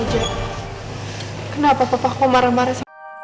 hai saja kenapa papa aku marah marah